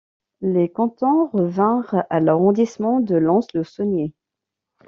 Les cantons revinrent à l'arrondissement de Lons-le-Saunier.